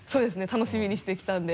楽しみにしてきたんで。